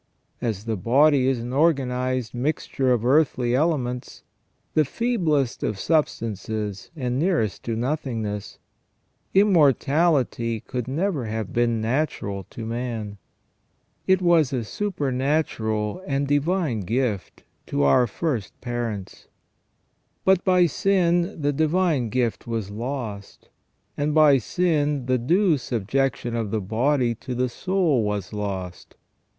As the body is an organized mixture of earthly elements, the feeblest of substances and nearest to nothingness, immortality could never have been natural to man. It was a supernatural and divine gift to our first parents. But by sin the divine gift was lost, and by sin the due subjection of the body to the soul was lost.